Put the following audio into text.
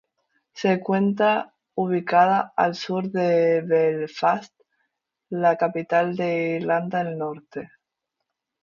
Se encuentra ubicada al sur de Belfast, la capital de Irlanda del Norte.